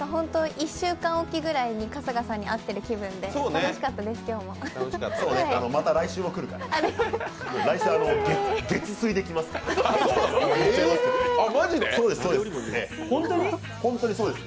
１週間おきぐらいに春日さんに会ってる気分で、今日も楽しかったです。